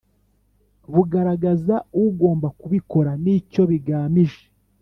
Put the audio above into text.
bugaragaza ugomba kubikora, n'icyo bigamije.